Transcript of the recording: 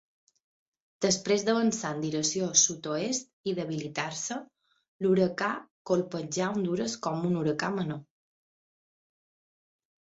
Després d'avançar en direcció sud-oest i debilitar-se, l'huracà colpejà Hondures com un huracà menor.